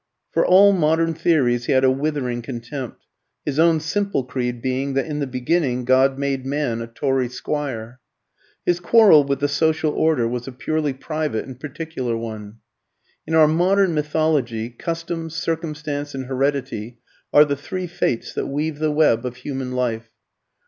For all modern theories he had a withering contempt, his own simple creed being that in the beginning God made man a Tory squire. His quarrel with the social order was a purely private and particular one. In our modern mythology, Custom, Circumstance, and Heredity are the three Fates that weave the web of human life.